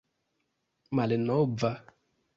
malnova